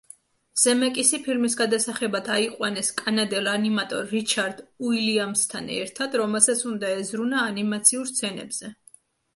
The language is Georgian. ზემეკისი ფილმის გადასაღებად აიყვანეს კანადელ ანიმატორ რიჩარდ უილიამსთან ერთად, რომელსაც უნდა ეზრუნა ანიმაციურ სცენებზე.